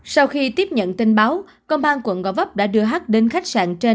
sau khi tiếp nhận tin báo công an quận go vấp đã đưa hát đến khách sạn trên